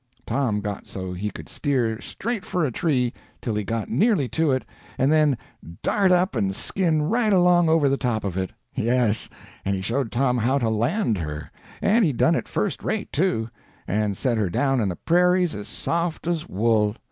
Tom got so he could steer straight for a tree till he got nearly to it, and then dart up and skin right along over the top of it. Yes, and he showed Tom how to land her; and he done it first rate, too, and set her down in the prairies as soft as wool.